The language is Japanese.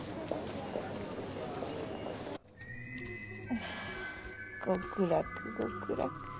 ああ極楽極楽。